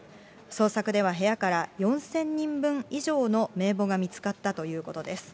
捜索では、部屋から４０００人分以上の名簿が見つかったということです。